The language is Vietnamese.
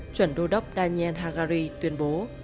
chuẩn đô đốc daniel hagari tuyên bố